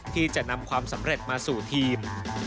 ที่จะนำความสำเร็จมาสู่ทีม